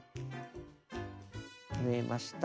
縫えました。